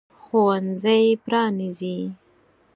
ښوونځی پرانیزي.